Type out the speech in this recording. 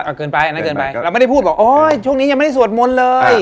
เอาเกินไปอันนั้นเกินไปเราไม่ได้พูดบอกโอ้ยช่วงนี้ยังไม่ได้สวดมนต์เลย